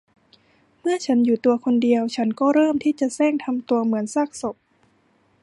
เมื่อฉันอยู่ตัวคนเดียว ฉันก็เริ่มที่จะแสร้งทำตัวเหมือนซากศพ